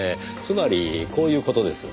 つまりこういう事です。